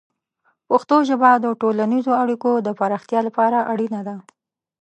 پښتو ژبه د ټولنیزو اړیکو د پراختیا لپاره اړینه ده.